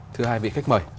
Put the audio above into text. thưa hai vị khách mời